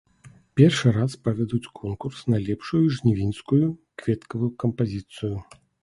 Першы раз правядуць конкурс на лепшую жнівеньскую кветкавую кампазіцыю.